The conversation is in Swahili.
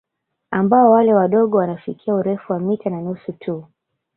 Ambao wale wadogo wanafikia urefu wa mita na nusu tu